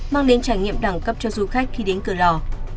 mang đến trải nghiệm đẳng cấp cho du khách khi đến cửa lò